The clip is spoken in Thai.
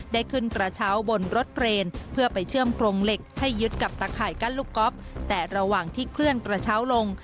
ได้ขึ้นกระเช้าบนรถเครนเพื่อไปเชื่อมโครงเหล็กให้ยึดกับตะข่ายกั้นลูกก๊อฟแต่ระหว่างที่เคลื่อนกระเช้าลง